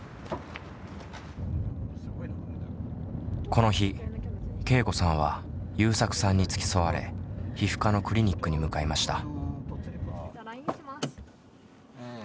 この日けいこさんはゆうさくさんに付き添われ皮膚科のクリニックに向かいました。